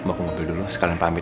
mau ke mobil dulu sekalian pamit